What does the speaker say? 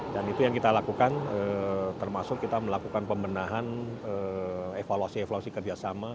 dan itu yang kita lakukan termasuk kita melakukan pembenahan evaluasi evaluasi kerjasama